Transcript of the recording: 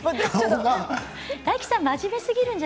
大吉さん